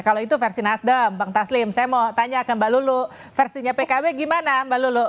kalau itu versi nasdem bang taslim saya mau tanya ke mbak lulu versinya pkb gimana mbak lulu